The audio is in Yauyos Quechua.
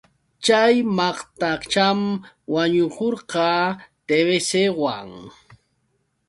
Chay maqtacham wañukurqa TBCwan.